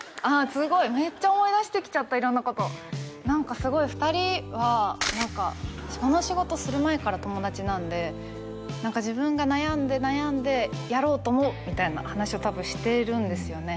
すごいめっちゃ思い出してきちゃった色んなこと何かすごい２人はこの仕事する前から友達なんで自分が悩んで悩んでやろうと思うみたいな話を多分してるんですよね